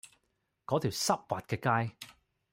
嗰條濕滑嘅街